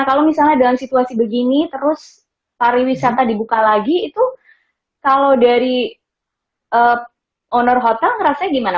kalau misalnya dalam situasi begini terus pariwisata dibuka lagi itu kalau dari owner hotel ngerasanya gimana